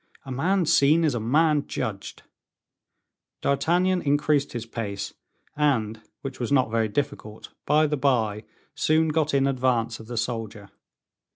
A man seen is a man judged." D'Artagnan increased his pace, and, which was not very difficult, by the by, soon got in advance of the soldier.